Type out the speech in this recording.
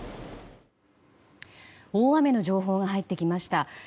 大雨の情報が入ってきました。